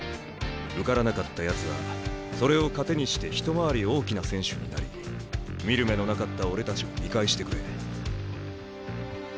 受からなかったやつはそれを糧にして一回り大きな選手になり見る目のなかった俺たちを見返してくれ。